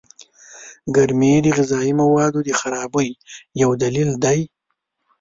گرمي د غذايي موادو د خرابۍ يو دليل دئ.